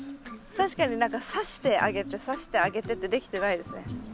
確かに何かさして上げてさして上げてってできてないですね。